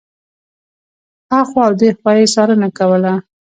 هخوا او دېخوا یې څارنه کوله.